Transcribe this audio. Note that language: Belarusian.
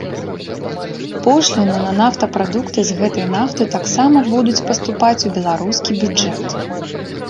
Пошліны на нафтапрадукты з гэтай нафты таксама будуць паступаць у беларускі бюджэт.